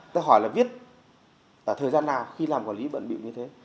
tôi hỏi là viết thời gian nào khi làm quản lý bận bịu như thế